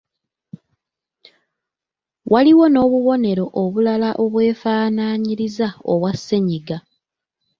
Waliwo n’obubonero obulala obwefaanaanyiriza obwa ssennyiga.